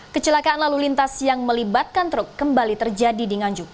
kecelakaan lalu lintas yang melibatkan truk kembali terjadi di nganjuk